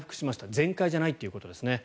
全快じゃないということですね。